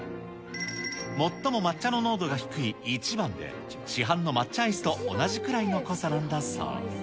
最も抹茶の濃度が低い１番で、市販の抹茶アイスと同じくらいの濃さなんだそう。